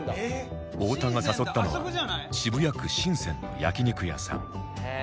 太田が誘ったのは渋谷区神泉の焼肉屋さん